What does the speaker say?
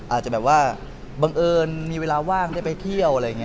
อาจจะแบบว่าบังเอิญมีเวลาว่างได้ไปเที่ยวอะไรอย่างนี้